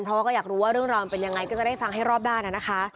เพราะว่าก็อยากรู้ว่าเรื่องราวมันเป็นยังไงก็จะได้ฟังให้รอบด้านนะคะ